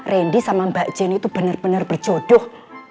randy sama mbak jen itu bener bener berjodoh